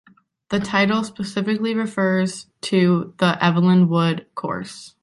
The title specifically refers to the Evelyn Wood course.